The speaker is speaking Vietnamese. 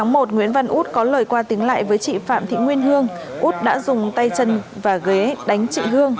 nguyễn văn út có lời qua tiếng lại với chị phạm thị nguyên hương út đã dùng tay chân và ghế đánh chị hương